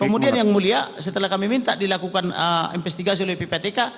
kemudian yang mulia setelah kami minta dilakukan investigasi oleh ppatk